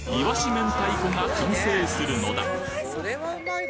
明太子が完成するのだ